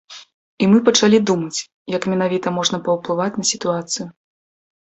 І мы пачалі думаць, як менавіта можна паўплываць на сітуацыю.